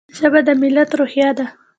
ژبه د ملت روحیه ده.